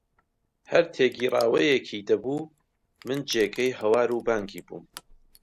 هەر تێگیراوییەکی دەبوو من جێگەی هاوار و بانگی بووم